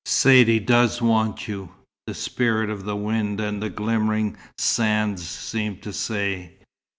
"Saidee does want you," the spirit of the wind and the glimmering sands seemed to say.